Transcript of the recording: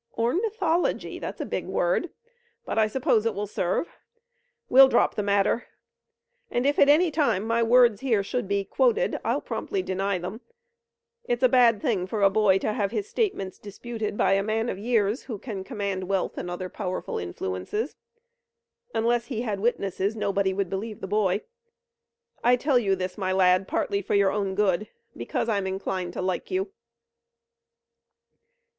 "Ornithology? That's a big word, but I suppose it will serve. We'll drop the matter, and if at any time my words here should be quoted I'll promptly deny them. It's a bad thing for a boy to have his statements disputed by a man of years who can command wealth and other powerful influences. Unless he had witnesses nobody would believe the boy. I tell you this, my lad, partly for your own good, because I'm inclined to like you."